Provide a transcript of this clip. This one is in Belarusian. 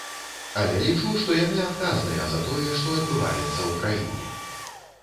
Але лічу, што яны адказныя за тое, што адбываецца ў краіне.